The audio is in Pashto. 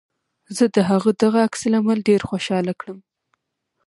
زه د هغه دغه عکس العمل ډېر خوشحاله کړم